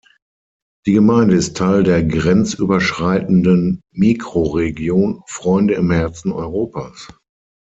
Die Gemeinde ist Teil der grenzüberschreitenden Mikroregion "Freunde im Herzen Europas".